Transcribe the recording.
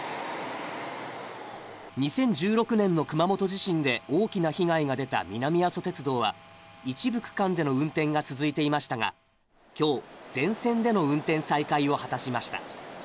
２０１６年の熊本地震で大きな被害が出た南阿蘇鉄道は一部区間での運転が続いていましたが、今日全線での運転再開を果たしました。